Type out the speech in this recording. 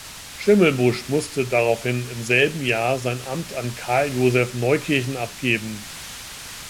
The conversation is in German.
Schimmelbusch musste daraufhin im selben Jahr sein Amt an Karl-Josef Neukirchen abgeben.